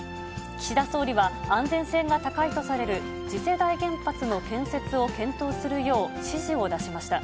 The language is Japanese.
岸田総理は、安全性が高いとされる次世代原発の建設を検討するよう指示を出しました。